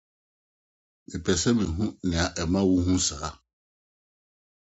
Mepɛ sɛ mihu nea ɛma wuhu saa.